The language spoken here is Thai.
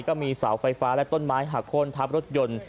ก็มีเสาไฟฟ้าและต้นไม้หักโค้นทับรถยนต์